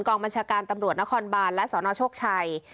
กองบัญชาการตำรวจนครบานและสนโชคชัย